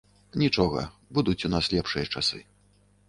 Нічога, будуць у нас лепшыя часы.